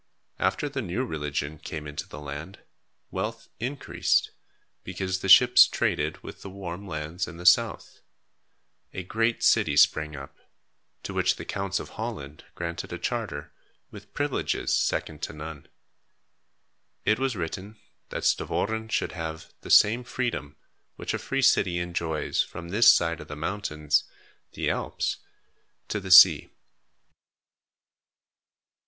After the new religion came into the land, wealth increased, because the ships traded with the warm lands in the south. A great city sprang up, to which the counts of Holland granted a charter, with privileges second to none. It was written that Stavoren should have "the same freedom which a free city enjoys from this side of the mountains (the Alps) to the sea."